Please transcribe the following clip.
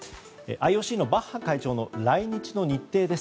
ＩＯＣのバッハ会長の来日の日程です。